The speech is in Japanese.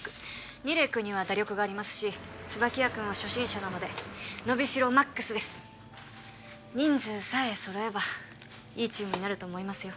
楡君には打力がありますし椿谷君は初心者なので伸びしろＭＡＸです人数さえ揃えばいいチームになると思いますよ